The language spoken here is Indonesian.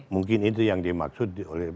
mungkin itu yang dimaksud